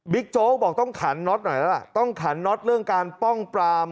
โจ๊กบอกต้องขันน็อตหน่อยแล้วล่ะต้องขันน็อตเรื่องการป้องปราม